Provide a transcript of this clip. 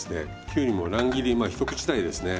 きゅうりの乱切りまあ一口大ですね。